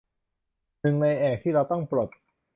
หนึ่งในแอกที่เราต้องปลด